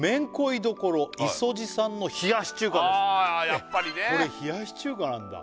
やっぱりねこれ冷やし中華なんだ